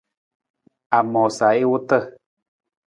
A moosa i wota.